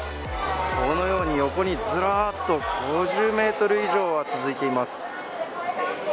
このように横にずらっと５０メートル以上は続いています。